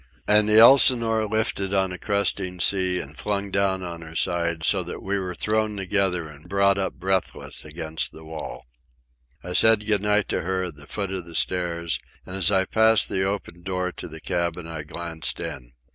And the Elsinore lifted on a cresting sea and flung down on her side, so that we were thrown together and brought up breathless against the wall. I said good night to her at the foot of the stairs, and as I passed the open door to the cabin I glanced in.